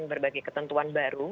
berbagai ketentuan baru